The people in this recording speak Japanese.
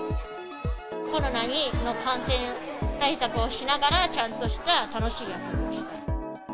コロナの感染対策をしながら、ちゃんとした楽しい遊びをしたい。